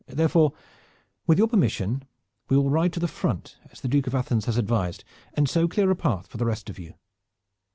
Therefore, with your permission, we will ride to the front, as the Duke of Athens has advised, and so clear a path for the rest of you."